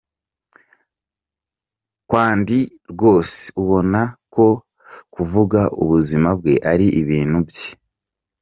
Kwandi rwose ubona ko kuvuga ubuzima bwe ari ibintu bye.